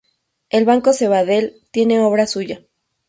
El Banco Sabadell tiene obra suya.